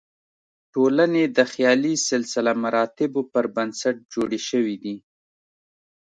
ټولنې د خیالي سلسله مراتبو پر بنسټ جوړې شوې دي.